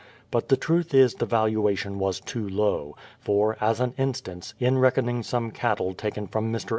But the truth is the valuation was too low ; for, as an instance, in reckoning some cattle taken from Air.